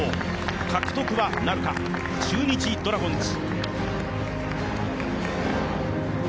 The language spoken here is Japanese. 獲得はなるか、中日ドラゴンズ。